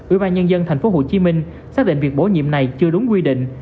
ủy ban nhân dân thành phố hồ chí minh xác định việc bố nhiệm này chưa đúng quy định